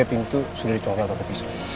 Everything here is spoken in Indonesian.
itu siapa mandi balikuk